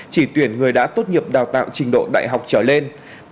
chỉ tuyển người đã tốt nghiệp đào tạo trình độ đại học trở lên